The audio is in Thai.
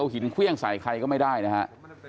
เอาหินเครื่องใส่ใครก็ไม่ได้นะครับ